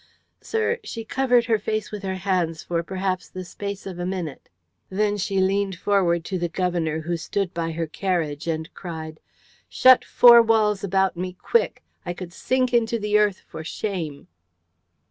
"Sir, she covered her face with her hands for perhaps the space of a minute. Then she leaned forward to the Governor, who stood by her carriage, and cried, 'Shut four walls about me quick! I could sink into the earth for shame.'"